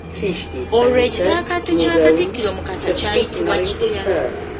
Olwo ekisaakaate kya Katikkiro Mukasa kyayitibwa kitya?